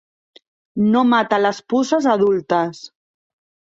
No mata les puces adultes.